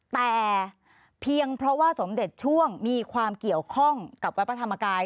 แต่เพียงเพราะว่าสมเด็จช่วงมีความเกี่ยวข้องกับวัดพระธรรมกาย